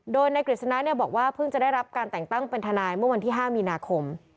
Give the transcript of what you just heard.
โดยนายกฤษณะบอกว่าเพิ่งจะได้รับการแต่งตั้งเป็นทนายเมื่อวันที่๕มีนาคม